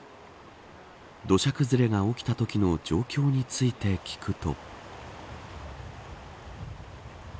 土砂崩れが起きたときの状況について聞くと。